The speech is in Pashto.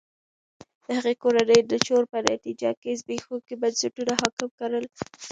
د هغه کورنۍ د چور په نتیجه کې زبېښونکي بنسټونه حاکم کړل.